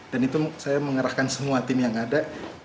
dan itu saya mengerahkan semua tim yang ada